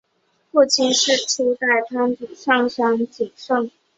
父亲是初代藩主上杉景胜。